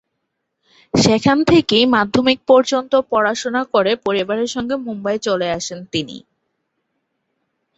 সেখান থেকেই মাধ্যমিক পর্যন্ত পড়াশোনা করে পরিবারের সঙ্গে মুম্বাইয়ে চলে আসেন তিনি।